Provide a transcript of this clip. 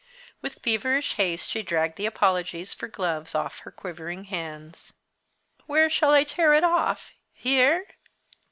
With feverish haste she dragged the apologies for gloves off her quivering hands. "Where shall I tear it off? Here?